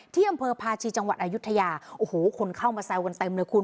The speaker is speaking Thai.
ที่อำเภอพาชีจังหวัดอายุทยาโอ้โหคนเข้ามาแซวกันเต็มเลยคุณ